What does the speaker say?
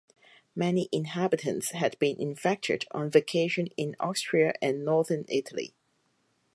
Many inhabitants had been infected on vacation in Austria and Northern Italy.